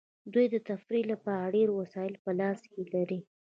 دوی د تفریح لپاره ډیر وسایل په لاس کې لري